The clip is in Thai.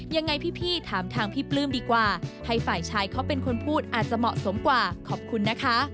ยังไงพี่ถามทางพี่ปลื้มดีกว่าให้ฝ่ายชายเขาเป็นคนพูดอาจจะเหมาะสมกว่าขอบคุณนะคะ